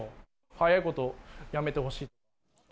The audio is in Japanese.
早いことやめてほしい。